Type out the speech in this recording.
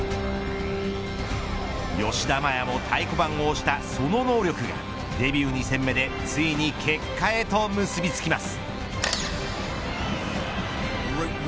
吉田麻也も太鼓判を押したその能力がデビュー２戦目でついに結果へと結び付きます。